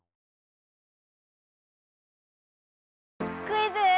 クイズ！